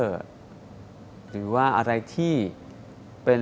บ๊วยบ๊วยหรือว่าอะไรที่เป็น